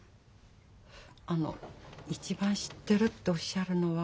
あの「一番知ってる」っておっしゃるのは？